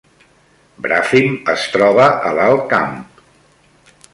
Bràfim es troba a l’Alt Camp